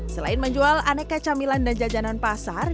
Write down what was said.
selain menjual aneka camilan dan jajanan pasar